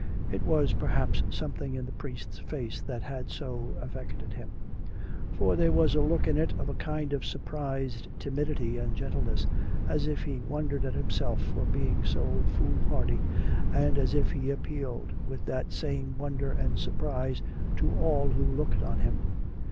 It was perhaps something in the priest's face that had so affected him; for there was a look in it of a kind of sur prised timidity and gentleness^ as if he wondered at him self for being so foolhardy, and as if he appealed with that same wonder and surprise to all who looked on him.